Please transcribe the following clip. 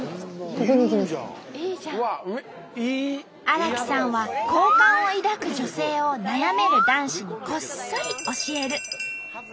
荒木さんは好感を抱く女性を悩める男子にこっそり教える。